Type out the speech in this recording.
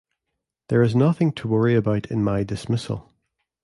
There is nothing to worry about in my dismissal.